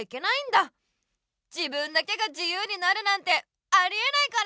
自分だけがじゆうになるなんてありえないから！